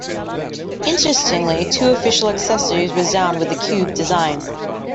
Interestingly, two official accessories resound with the "Cube" design.